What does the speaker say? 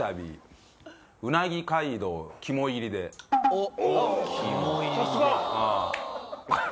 おっ！